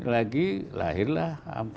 lagi lahirlah empat sebelas